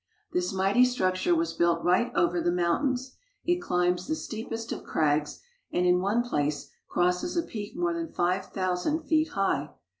This mighty structure was built right over the mountains. It climbs the steepest of crags, and in one place crosses a peak more than five thousand feet high.